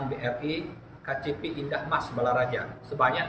dijebloskan ketahanan setelah ditetapkan sebagai tersangka pada senin sore